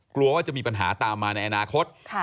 กลัวว่าจะมีปัญหาตามมาในอนาคต